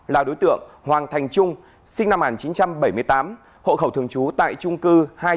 là đối tượng hoàng thành trung sinh năm một nghìn chín trăm bảy mươi tám hộ khẩu thường trú tại trung cư hai trăm chín mươi